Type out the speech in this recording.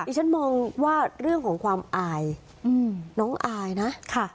ฉันมองว่าเรื่องของความอายน้องอายนะค่ะ